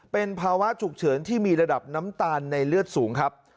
เป็นภาวะฉุกเฉินที่มีระดับน้ำตาลในเลือดสูงครับ